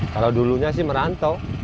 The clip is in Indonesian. kalau dulunya sih merantau